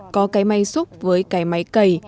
có cái máy xúc với cái máy cầy